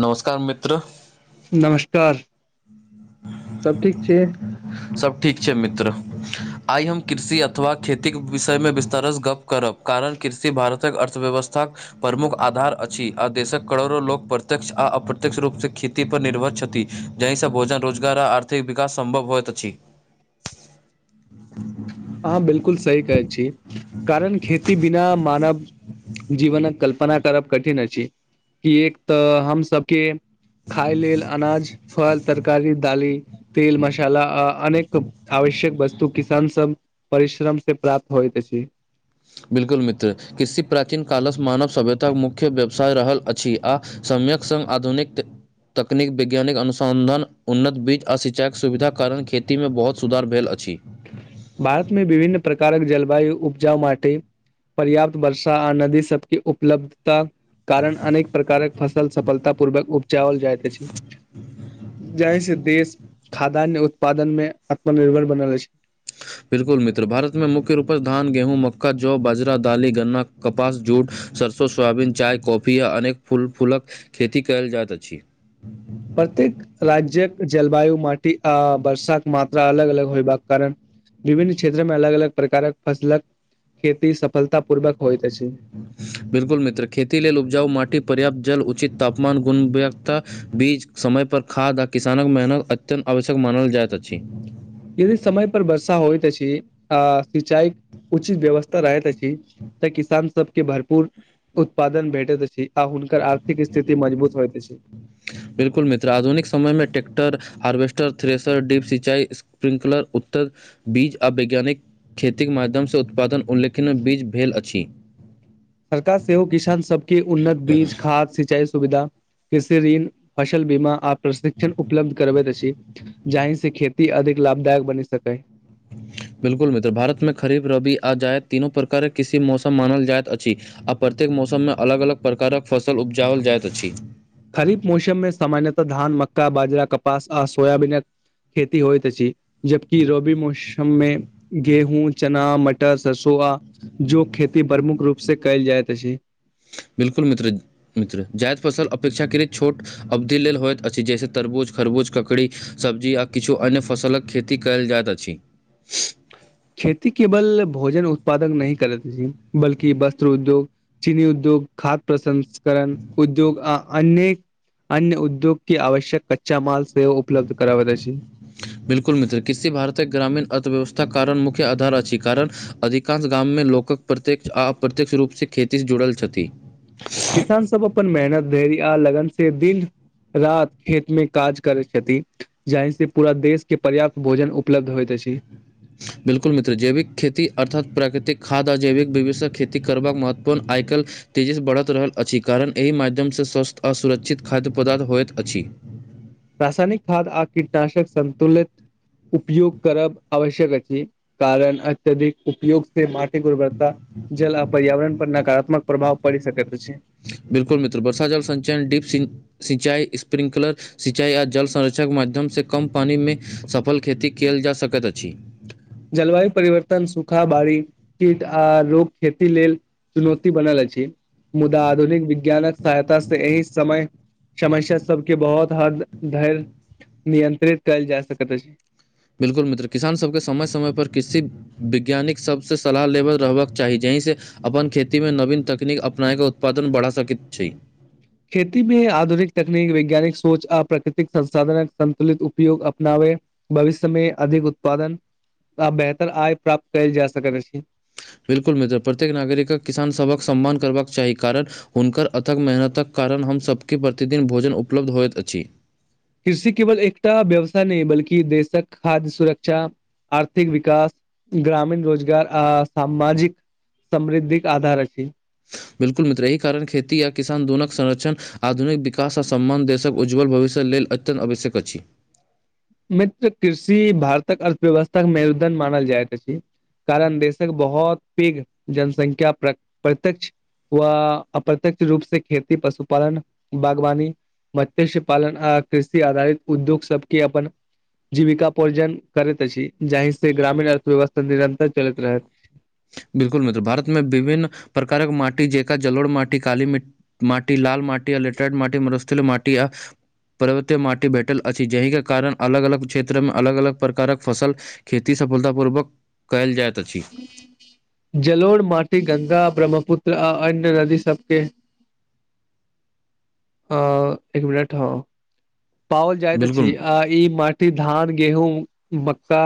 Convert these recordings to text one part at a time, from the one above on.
नमस्कार मित्र नमस्कार, सब ठीक छै। सब ठीक छै मित्र, आइ हम कृषि अथवा खेतीक विषयमे विस्तारसँ गप करब, कारण कृषि भारतक अर्थव्यवस्थाक प्रमुख आधार अछि आ देशक करोड़ो लोक प्रत्यक्ष आ अप्रत्यक्ष रूपसँ खेती पर निर्भर छथि, जाहिसँ, रोजगार आ आर्थिक विकास सम्भव होइत अछि। अहाँ बिलकुल सही कहै छी कारण खेती बिना मानव जीवनक कल्पना करब कठिन अछि कि एक त हमसभके खाय लेल अनाज फल तरकारी तरकारी, दालि, तेल, मसाल अनेक आवश्यक वस्तु किसान सब परिश्रम से प्राप्त होइत अछि। बिल्कुल मित्र कृषि प्राचीन कालसँ मानव सभ्यताक मुख्य व्यवसाय रहल अछि आ समयकक संग आधुनिक तकनीक वैज्ञानिक, अनुसंधान, उन्नत बीज आ सिंचाईक सुविधाक कारण खेती मे बहुत सुधार भेल अछि भारत मे विभिन्न प्रकारक जलवायु उपजाउ माटि पर्याप्त वर्षा आ नदी सबके उपलब्धता कारण अनेक प्रकारक फसल सफलता पूर्वक उपजाओल जाइत अछि। जाहिसं देश खाद्यान्य उत्पादन में आत्मनिर्भर बनल अछि। [inaudible] बिलकुल मित्र भारत मे मुख्य रूपसँ धान, गेहूँ, मक्का, जौ, बाजरा, दालि, गन्ना, कपास, सरस स सोयाबीन चाय कॉफी आ अनेक फूल फूलक खेती कयल जाइत अछि। प्रत्येक राज्यक जलवायु, माटी आ वर्षाक मात्रा अलग अलग होयबाक कारण विभिन्न क्षेत्र में अलग अलग प्रकारक फसलक खेती सफलता पूर्वक होइत अछि। बिलकुल मित्र, खेती लेल उपजाउ माटी, पर्याप्त जल, उचित तापमान, गुणवता बीज, समय पर खाद आ किसानक मेहनत अत्यन्त आवश्यक मानल जाइत अछि। यदि समय पर वर्षा होइत अछि आ सिंचाई उचित व्यवस्था रहैत अछि त किसान सबके भरपूर उत्पादन भेटैत अछि आ हुनकर आ र्थिक स्थिति मजबूत होइत अछि। बिल्कुल मित्र आधुनिक समय मे ट्रै्क्टर, हार्वेस्टर थ्रेसर, ड्रिप सिंचाई स्प्रिंकलर, उत्तम बीज आ वैज्ञानिक खेतीक माध्यमसँ उत्पादन उल्लेखनीय वृद्धि भेल अछि। सरकार सेहो किसान सबके उन्नत बीज खाद सिंचाई सुविधा, कृषि ऋण फसल बीमा आ प्रशिक्षण उपलब्ध करबैत अछि। जहहिं से खेती अधिक लाभदायक बनि सकै। बिलकुल मित्र, भारत में खरीफ, रबी आ जायद तीनो प्रकारक कृषि मौसम मानल जाइत अछि। आ प्रत्येक मौसम मे अलग अलग प्रकारक फसल उपजाओल जाइत अछि। खरीफ मौसममे सामान्यतः धान, मक्का, बाजरा, कपास आ सोयबीनक खेती होइत अछि जबकि रवि मौसममे गेहूँ, चना, मटर, सरसो आ जौ खेती प्रमुख रूप से कयल जायत अछि। बिल्कुल मित्र, मित्र जायद फसल अपेक्षाकृत छोट अवधि लेल होइत अछि जैसे तरबूज, खरबूज, ककड़ी सब्जी आ किछु अन्य फसलक खेती कयल जाइत अछि। खेती केवल भोजन उत्पादन नहि कर करैत अछि बल्कि वस्त्र उद्योग चीनी उद्योग, खाद्य प्रसंस्करण उद्योग आ अन्य अन्य उद्योग के आवश्यक कच्चा माल सेहो उपलब्ध कराबैत अछि। बिलकुल मित्र, कृषि भारतक ग्रामीण अर्थव्यवस्था कारण मुख्य आधार अछि कारण अधिकांश गाम मे लोकक प्रत्यक्ष आ अप्रत्यक्ष रूपसँ खेती से जुड़ल छथि। किसान सब अपन मेहनत, धैर्य आ लगन से दिन राति खेत मे काज करै छथि। जहि से पूरा देश के पर्याप्त भोजन उपलब्ध होइत अछि। [inaudible] बिल्कुल मित्र, जैविक खेती अर्थात प्राकृतिक खाद्य आ जैविक विधिसँ खेती करबाक महत्वपूर्ण आइ काल्हि तेजीसँ बढ़त रहल अछि कारण एहि माध्यमसँ स्वस्थ आ सुरक्षित खाद्य पदार्थ होइत अछि। रासायनिक खाद आ कीटनाशक संन्तुलित उपयोग करब आवश्यक अछि कारण अत्यधिक उपयोग से मात्र गुणवत्ता, जल आ पर्यावरण पर नकारात्मक प्रभाव पड़ि सकैत अछि। बिल्कुल मित्र, वर्षा जल सञचयन ड्रिप सिंचाई, स्प्रिंकलर सिंचाई आ जल संरक्षण के माध्यमसँ कम पानिमे सफल खेती कयल जा सकैत अछि। जलवायु परिवर्तन, सूखा, बाढ़ि, कीट आ रोग खेती लेल चुनौती बनल अछि मुदा आधुनिक विज्ञानक सहायता से एहि समय समस्या सबके बहुत हद धरि नियंत्रित कयल जा सकैत अछि। बिल्कुल मित्र, किसान सबके समय समय पर कृषि वैज्ञानिक सभसँ सलाह लेबल रहबाक चाही जाहिसे अपन खेती मे नवीन तकनीक अपनायके उत्पादन बढ़ा सकैत छी। खेती मे, आधुनिक तकनीक, वैज्ञानिक सोच, आ प्राकृतिक संसाधनक, संन्तुलित उपयोग, अपनावै। भविष्यमे, अधिक उत्पादन, आ बेहतर आय, प्राप्त कयल जा सकैत छै। बिल्कुल मित्र! प्रत्येक नागरिक किसान, सभक सम्मान करबाक चाही, कारण! हुनकर अथक मेहनतक कारण, हमसभके प्रतिदिन भोजन उपलब्ध होइत अछि। कृषि केवल एकटा व्यवसाय नहि, बल्कि देशक खाद्य सुरक्षा आर्थिक विकास, ग्रामीण रोजगार, आ सामाजिक समृद्धिक आधार अछी। बिलकुल मित्रहि कारण! खेती य किसान दुोनकक संरक्षण आधुनिक विकास, आ सम्मान देशक, उज्ज्वल भविष्य्यक लेल, अत्यन्त आवश्यक अछि। मित्र कृषि, भारतक अर्थव्यवस्था के मुदन मानल जाइत रहल अछि। कारण! देशक बहुत पैघ जनसंख्या प्रत्यक्ष व अप्रत्यक्ष रूप से, खेती, पशुपालन, बागवानी। मत्स्य पालन, आ कृषि आधारित, उद्योग सबके अपन। जीविका पोर्जन करैत अछि, जहि से ग्रामीण अर्थव्यवस्था निरंतर चलैत रहत। बिलकुल मित्र! भारतमे विभिन्न प्रकारक माटी, जेका जलोड़ माटी, काली मि्टी। माटी, लाल मटी, आ लेट्रेड माटी, मस मटी आ पर्वतीय माटी भेटल अछि, जहि के कारण अलग- अलग क्षेत्र में, अलग -अलग प्रकारक फसल। खेती सफलता पूर्वक कयल जाइत अछि। जलोर माटी, गङ्ंगा, ब्रह्मपुत्र, आ अन्य नदी सबके। अ एक मिनट हँ, पओल जाइत अछि, बिल्कुल आ ई माट धान, गेहूँ, मक्का।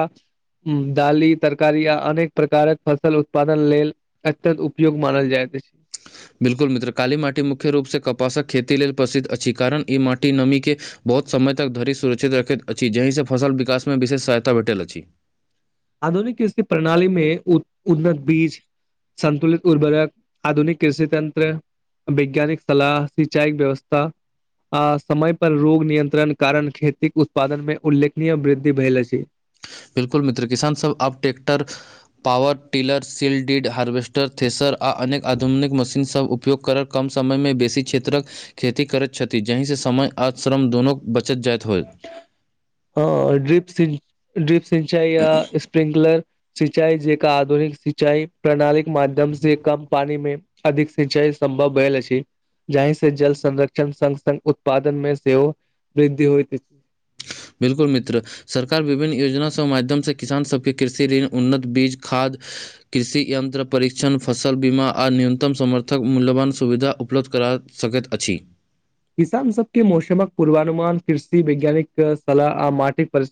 दाली, तरकारी, आ अनेक प्रकारक फसल उत्पादन लेल। अत्यत उपयोग मानल जाइत अछि। बिल्कुल मित्र! काली माटी, मुख्य रूपसँ कपासक खेती लेल प्रसिद्ध अछि, कारण ई माटी नमीके बहुत समय तक धरि सुरक्षित रखैत अछि, जहिसँ फसल विकासमे विशेष सहायता भेटल अछि। आधुनिक कृ प्रणाली मे, उन्नत बीज। सन्तुलित उर्रक, आधुनिक कृषि तत्र। वैज्ञानिक सलाह, सिंचाई व्यवस्था। आ समय पर रोग नियंत्रण कारण, खेती उत्पादन मे उल्लेखनीय वृद्धि भेल अछि। बिलकुल मित्र! किसान सब आब ट्रेक्टर। पावर टिलर, सील्डीड, हार्वेस्टर थेसर, आओर अनेक आधुनिक मशीनसभ उपयोग करब। कम समय मे बेसी क्षेत्रक। खेती करैत छथि, जहिसँ समय आश्रम दुनू बचत जायइत होय। हँ, ड्रीप ड्रीप सिंचा या स्प्रिंकलर। सिंचाई जेका, आधुनिक सिंचाई, प्रणाली माध्यम से, कम पानी मे। अधिक सिंचा संभव भेल अछी। जहि से जल संरक्षण स स उत्पादन मे सेहो, वृद्धि होई। बिलकुल मित्र! सरकार विभिन्न योजना सभ माध्यम से, किसान सबके कृषि ऋण, उन्नत बीज, खाद्य। कृषि यन्त्र, परीक्षण, फसल बीमा, आ न्यूनतम समर्थक मूल्यवान सुविधा उपलब्ध करात। सकैत अछि। किसान सबके मौसमक पूर्वानुमान, कृषि वैज्ञानिक सलाह, आ माटिक पर।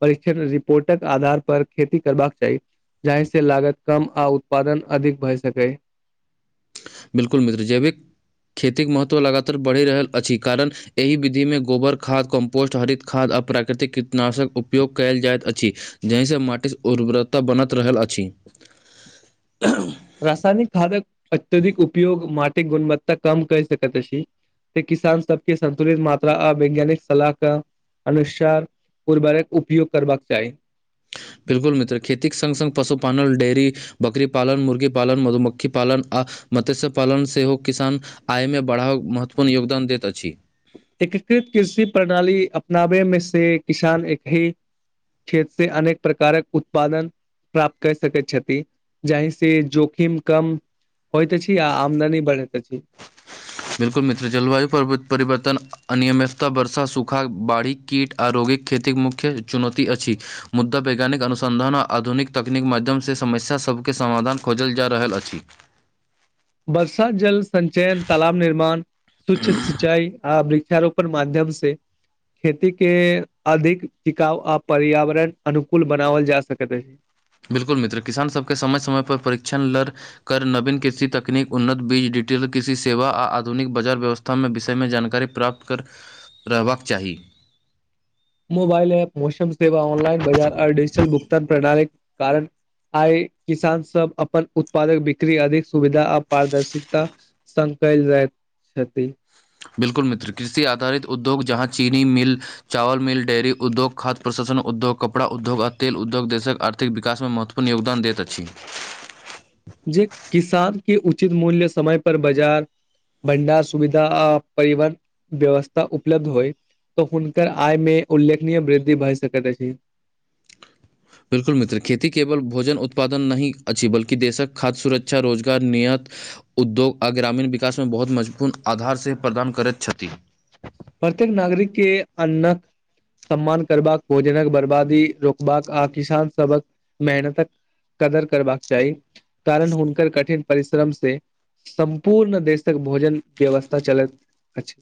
परीक्षण रिपोर्टक आधार पर, खेती करबाक चाही। जाहि से लागत कम, आ उत्पादन अधिक भय सकै। बिल्कुल मित्र! जैविक खेतीक महत्व लगातार बढ़ि रहल अछि, कारण! एहि विधिमे गोबर खाद, कम्पोस्ट, हरित खाद आ प्राकृतिक कीटनाशक उपयोग कयल जाइत अछि। जहिसँ माटिक उर्वरता बनत रहल अछि। रासायनिक खादक अत्यधिक उपयोग माटिक गुणवत्ता कम करि सकत अछी। त किसान सबके संन्तुलित मात्रा आ वैज्ञानिक सलाह क अनुस्यार उर्वरक उपयोग करबाक चाही। बिल्कुल मित्र खेतीक संग संग पशुपालन, डेयरी बकरी पालन, मुर्गी पालन, मधुमक्खी पालन आ मत्स्य पालन सेहो किसान आयमे बढ़ाव महत्वपूर्ण योगदान दैत अछि। एकीकृत कृषि प्रणाली अपनाबे मे से किसान एक ही खेत से अनेक प्रकारक उत्पादन प्राप्त करि सकैत छथि जाहि से जोखिम कम होइत अछी आ आमदनी बढ़ैत अछी। बिलकुल मित्र जलवायु परिव परिवर्तन अनियमितता वर्षा, सूखा, बाढ़ि, कीट आ रोगीक खेतिक मुख्य चुनौती अछि। मुद्दा वैज्ञानिक अनुसन्धान आ आधुनिक तकनीक माध्यमसे समस्या सभकेँ समाधान खोजल जा रहल अछि‌। वर्षा जल संचयन, तालाब निर्माण, सूक्ष्म सिंचाई आ वृक्षारोप पन माध्यम से खेती के अधिक टिकाउ आ पर्यावरण अनुकूल बनावल जा सकैत अछि। बिल्कुल मित्र किसान सबके समय समय पर परीक्षण लर कर नवीन कृषि तकनीक, उन्नत बीज, डिटेल कृषि सेवा आ आधुनिक बाजार व्यवस्था थ विषयमे जानकारी प्राप्त कर रहबाक चाही। मोबाइल ऐप, मौसम सेवा, ऑनलाइन बाजार आ डिजिटल भुगतान प्रणाली कारण आई किसान सब अपन उत्पादक बिक्री अधिक सुविधा आ पारदर्शिता संग कयल जाइत छथि। बिल्कुल मित्र कृषि आधारित उद्योग जहाँ चीनी मिल चावल मिल, डेयरी उद्योग, खाद्य प्रसंस्करण उद्योग, कपड़ा उद्योग आ तेल उद्योग देशक आर्थिक विकास में महत्व पूर्ण योगदान देैत अछि। जे किसान के उचित मूल्य समय पर बजार भंडार सुविधा आ परिवहन व्यवस्था उपलब्ध होइ तऽ हुनकर आय मे उल्लेखनीय वृद्धि भए सकैत अछि। बिल्कुल मित्र खेती केवल भोजन उत्पादन नहि अछि बल्कि देशक खाद्य सुरक्षा, रोजगार, नियत उद्योग आ ग्रामीण विकासमे बहुत महत्वपूर्ण आधारसे प्रदान करैत छथि। प्रत्येक नागरिक के अन्न सम्मान करबाक, भोजनक बर्बादी रोकबाक आ किसान सभक मेहनतक कदर करबाक चाही कारण हुनकर कठिन परिश्रम से सम्पूर्ण देशक भोजन व्यवस्था चलैत अछि।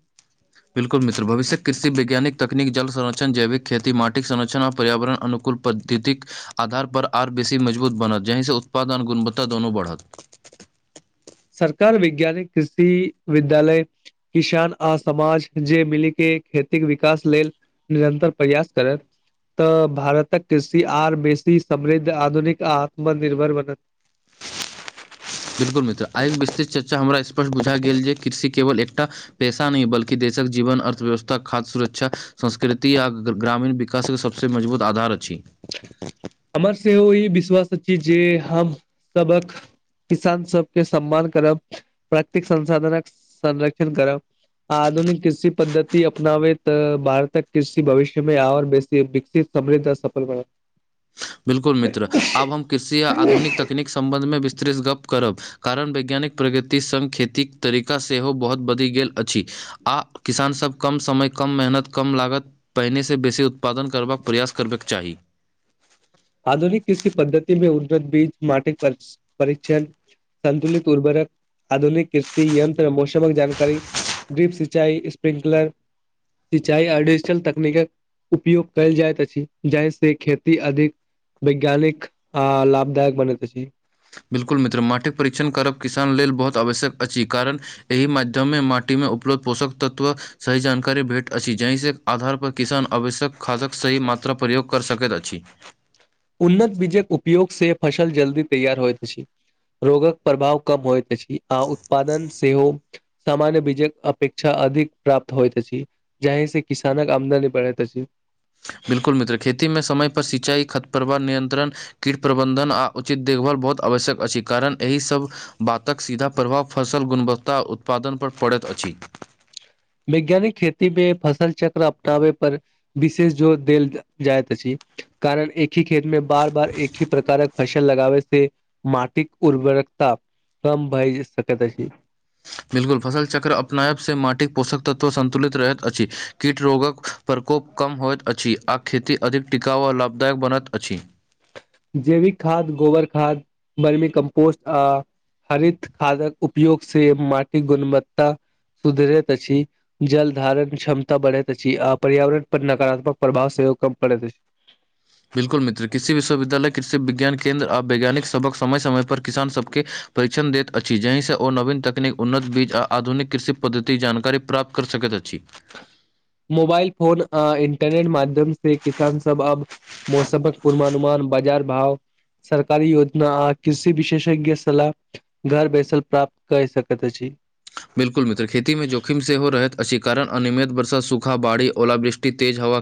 बिल्कुल मित्र भविष्यक कृषि वैज्ञानिक तकनीक, जल संरक्षण, जैविक खेती, माटिक संरक्षण आ पर्यावरण अनकूल पद्धतिक आधार पर आर बेसी मजबूत बनत जहि से उत्पादन गुणवत्ता दनू बढ़त। सरकार वैज्ञानिक कृषि विद्यालय किसान आ समाज जे मिली के खेती क विकास लेल निरन्तर प्रयास करैत तऽ भारतक कृषि आर बेसी समृद्ध, आधुनिक आ आत्मनिर्भर बनत। बिलकुल मित्र आइ विस्तृत चर्चा हमरा स्पष्ट बुझा गेल जे कृषि केवल एकटा पैसा नहि बल्कि देशक जीवन, अर्थव्यवस्था, खाद्य सुरक्षा संस्कृति आ ग्रामीण विकासक सभसँ मजबूत आधार अछि। हमर सेहो ई विश्वास अछि जे, हम सबक। किसान सबके सम्मान करब, प्रतेक संसाधनक संरक्षण करब। आधुनिक कृषि पद्धति अपनावे तऽ, भारतक कृषि भविष्य मे आओर बेसी विकसित। तबिये सफल ब बिल्कुल मित्र! आब हम कृषि आ आधुनिक तकनीक सम्बन्धमे, विस्तृत गप्प करब। कारण वैज्ञानिक प्रगति सङ्, खेतीक तरीका सेहो बहुत बदलि गेल अछि। आ किसानसभ कम समय, कम मेहनत, कम लागत। पहिनेसँ बेसी उत्पादन करबाक प्रयास करबाक चाही। आधुनिक कृषि पद्धति मे, उन्नत बीज, माटिक परीक्षण। संन्तुलित उर्वरक, आधुनिक कृषि यंत्र, मौसमक जानकारी। डीप सिंचाई, स्प्रिंकलर। सिंचाई आ, डिजिटल तकनीकक उपयोग कयल जाइत अछि, जाहि से खेती अधिक। वैज्ञानिक आ लाभदायक बनेत अछी। बिल्कुल मित्र! माटिक परीक्षण करब, किसान लेल बहुत आवश्यक अछि, कारण! एहि माध्यममे, माटीमे उपलब्ध पोषक तत्व। सही जानकारी भेट अछि, जाहिस आधार पर किसान आवश्यक। खादक सही मात्रा प्रयोग कऽ सकैत अछि। उन्नत बीजक उपयोग से, फसल जल्दी तैयार होइत अछि। रोगक प्रभाव कम होइत अछि, आ उत्पादन सेहो। सामान्य बीज अपेक्षा, अधिक प्राप्त होइत अछी। जाहि से किसानक, आमदनी बढ़ै अछी। बिलकुल मित्र! खेती मे समय पर सिंचाई, खतपवाह, नियंत्रण। कीट प्रबन्धन, आ उचित देखभाल बहुत आवश्यक अछि कारण एहिसभ। बातक सीधा प्रभाव, फसल गुणवत्ता, आ उत्पादनपर पड़ैत अछि। वैज्ञानिक खेती मे फसल चक्र अपनाबे पर। विशेष जोर देल जाइत अछि, कारण एक ह खेत मे बार- बार एक ही प्रकारक फसल। लगाबे से, माटिक उर्वरकता कम भए सक छै। 'बिलकुल' फसल चक्र अपनायब से, माटिक पोषक तत्व संन्तुलित रहैत अछि, कीट रोगक प्रकोप कम होइत अछि, आ खेती अधिक टिकाउ, आर लाभदायक बनैत अछि। जैविक खाद्य, गोबर खाद्य, बर्मी कम्पोस्ट, आ हरित खादक उपयोग से, माटिक गुणवत्ता सुधरैत अछी। जल धारण क्षमता बढ़ैत अछी, आ पर्यावरण पर नकारात्मक प्रभाव सेहो कम परैत अछि। बिल्कुल मित्र! कृषि विश्वविद्यालय, कृषि विज्ञान केन्द्र, आ वैज्ञानिक सभक समय -समय पर। किसान सभके परीक्षण दैत अछी, जाही सँ ओ नवीन तकनीक उन्नत बीज, आ आधुनिक कृषि पद्धति जानकारी प्राप्त कर सकैत अछी। मोबाइल, फोन, अ इंटरनेट माध्यम से, किसान सब अब मौसमक पूर्वानुमान, बाजार भाव। सरकारी योजना, आ कृषि विशेषज्ञ सलाह। घर बैसल प्राप्त कै सकैत अछी। बिल्कुल मित्र खेती मे जोखिम सेहो रहैत अछी, कारण अनियमित वर्षा, सूखा बाढ़ी, ओलावृष्टि, तेज हवा